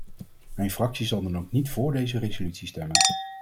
Mijn fractie zal dan ook niet voor deze resolutie stemmen.